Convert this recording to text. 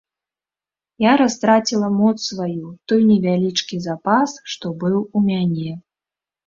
Я растраціла моц сваю, той невялічкі запас, што быў у мяне.